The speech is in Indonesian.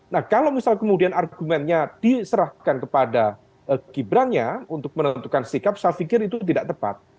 nah kalau misal kemudian argumennya diserahkan kepada gibran nya untuk menentukan sikap saya pikir itu tidak tepat